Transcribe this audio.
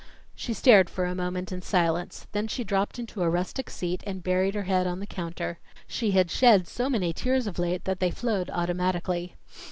She stared for a moment in silence, then she dropped into a rustic seat and buried her head on the counter. She had shed so many tears of late that they flowed automatically.